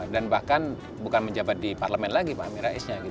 dan bahkan bukan menjabat di parlemen lagi pak amin raisnya